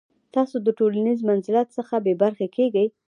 تاسو د ټولنیز منزلت څخه بې برخې کیږئ.